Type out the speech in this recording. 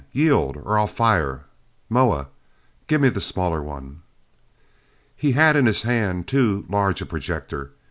Yield or I'll fire! Moa, give me the smaller one." He had in his hand too large a projector.